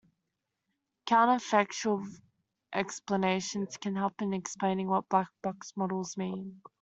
Counter-factual explanations can help in explaining what black-box models mean.